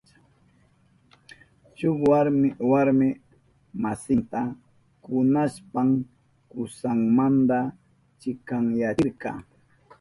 Shuk warmi warmi masinta kunashpan kusanmanta chikanyachirka.